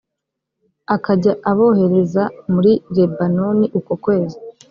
akajya abohereza muri lebanoni uko ukwezi